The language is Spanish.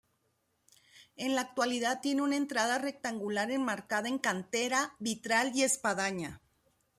En la actualidad tiene una entrada rectangular enmarcada en cantera, vitral y espadaña.